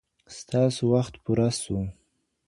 ستا سو وخت پوره سو .